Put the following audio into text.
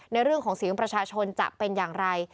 ในเรื่องของเสียงประชาชนจะเป็นอย่างไร